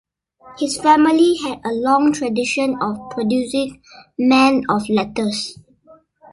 His family had a long tradition of producing men of letters.